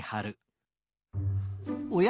おや？